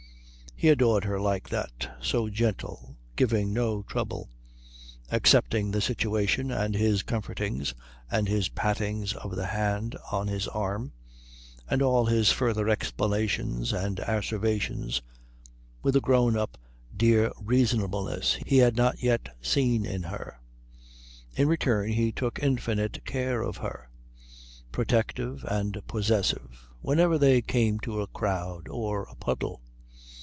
He adored her like that, so gentle, giving no trouble, accepting the situation and his comfortings and his pattings of the hand on his arm and all his further explanations and asseverations with a grown up dear reasonableness he had not yet seen in her. In return he took infinite care of her, protective and possessive, whenever they came to a crowd or a puddle.